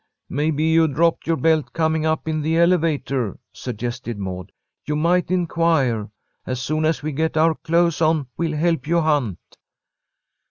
"Maybe you dropped your belt coming up in the elevator," suggested Maud. "You might inquire. As soon as we get our clothes on, we'll help you hunt."